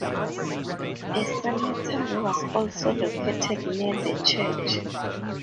A cemetery was also located near the church.